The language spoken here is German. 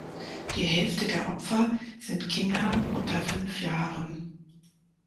Die Hälfte der Opfer sind Kinder unter fünf Jahren.